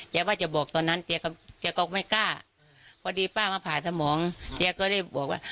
เจ้าบอกจะบอกตอนนั้นเจ้าก็ไม่กล้าพอดีป้ามาผ่าสมองเจ้าก็ได้บอกว่า